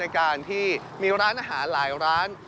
การที่มีร้านอาหารหลายร้าน